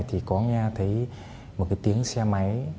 thì có nghe thấy một cái tiếng xe máy